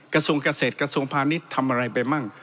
กระทรวงเกษตรกระทรวงพาณิชย์ทำอะไรไปมั่ง